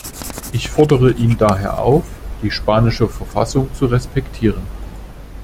Ich fordere ihn daher auf, die spanische Verfassung zu respektieren.